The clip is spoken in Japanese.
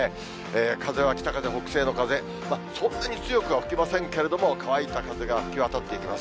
風は北風、北西の風、そんなに強くは吹きませんけれども、乾いた風が吹き渡っていきます。